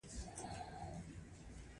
یو پانګوال غواړي چې اضافي ارزښت پانګه کړي